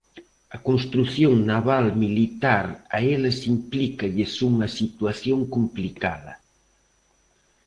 A construción naval militar a eles implícalles unha situación complicada.